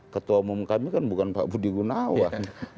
ketua umum kami kan bukan pak budi gunawan